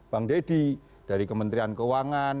bang deddy dari kementerian keuangan